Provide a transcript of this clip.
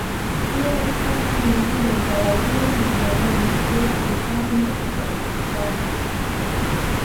Pia zipo nchi nyingine za Liberia na Gaboni bila kuzisahau ncni za Chadi